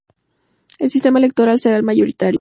El sistema electoral será el mayoritario.